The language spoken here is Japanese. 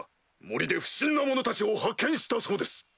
森で不審な者たちを発見したそうです。